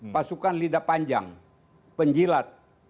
pasukan lidah panjang penjilat